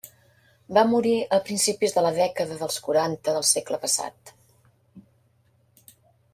Va morir a principis de la dècada dels quaranta del segle passat.